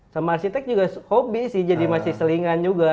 sama arsitek juga hobi sih jadi masih selingan juga